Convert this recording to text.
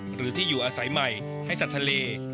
หรือที่อยู่อาศัยใหม่ให้สัตว์ทะเล